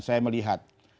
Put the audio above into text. dan saya melihat